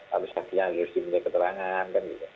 harus sakinya harus dimiliki keterangan